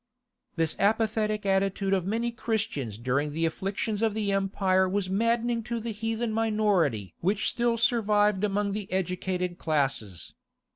This apathetic attitude of many Christians during the afflictions of the empire was maddening to the heathen minority which still survived among the educated classes.